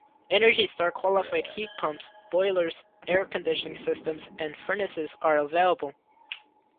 Energy Star qualified heat pumps, boilers, air conditioning systems, and furnaces are available.